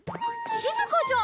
しずかちゃん！